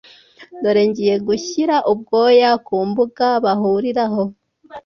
dore ngiye gushyira ubwoya ku mbuga bahuriraho